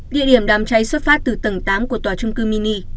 địa điểm đám cháy xuất phát từ tầng tám của tòa trung cư mini